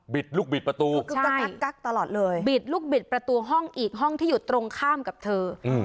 ลูกบิดประตูคือกักตลอดเลยบิดลูกบิดประตูห้องอีกห้องที่อยู่ตรงข้ามกับเธอ